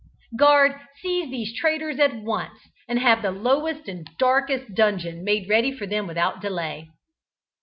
guard, seize these traitors at once, and have the lowest and darkest dungeon made ready for them without delay!"